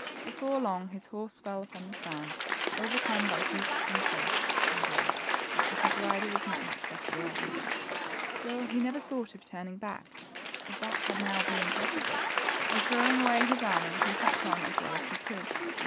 Before long, his horse fell upon the sand, overcome by heat and thirst, and died, and his rider was not much better off. Still he never thought of turning back, if that had now been possible, and throwing away his armor, he kept on as well as he could.